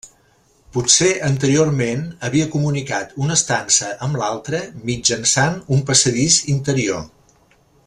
Potser, anteriorment, havia comunicat una estança amb l'altra mitjançant un passadís interior.